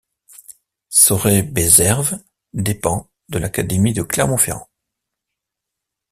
Sauret-Besserve dépend de l'académie de Clermont-Ferrand.